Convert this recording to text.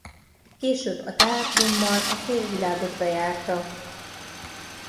Később a teátrummal a fél világot bejárta.